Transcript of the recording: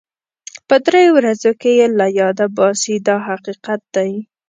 په دریو ورځو کې یې له یاده باسي دا حقیقت دی.